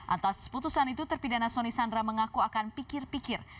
atas putusan itu terpidana soni sandra mengaku akan pikir pikir